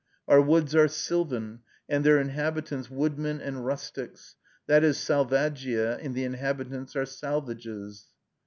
Our woods are sylvan, and their inhabitants woodmen and rustics; that is selvaggia, and the inhabitants are salvages.